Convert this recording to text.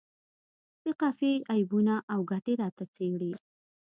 د قافیې عیبونه او ګټې راته څیړي.